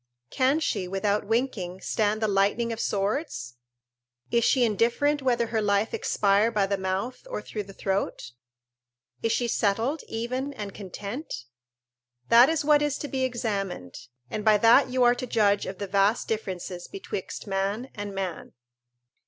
Can she, without winking, stand the lightning of swords? is she indifferent whether her life expire by the mouth or through the throat? Is she settled, even and content? This is what is to be examined, and by that you are to judge of the vast differences betwixt man and man.